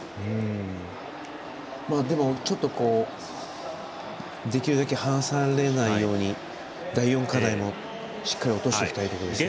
でも、できるだけ離されないように第４課題も、しっかり落としていきたいところですね。